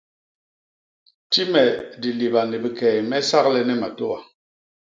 Ti me diliba ni bikey me saglene matôa.